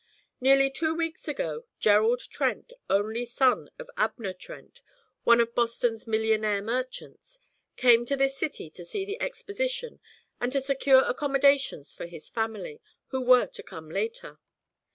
'"Nearly two weeks ago, Gerald Trent, only son of Abner Trent, one of Boston's millionaire merchants, came to this city to see the Exposition and to secure accommodations for his family, who were to come later.